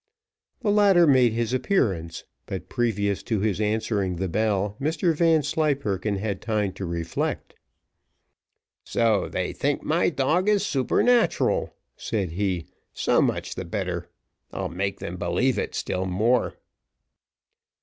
The latter made his appearance; but previous to his answering the bell, Mr Vanslyperken had time to reflect. "So they think my dog is supernatural," said he; "so much the better. I'll make them believe it still more."